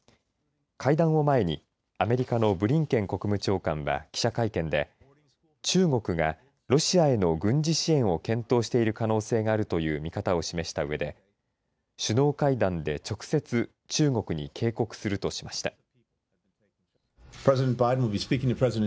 会談を前にアメリカのブリンケン国務長官は記者会見で中国がロシアへの軍事支援を検討している可能性があるという見方を示したうえで首脳会談で直接中国に警告するとしました。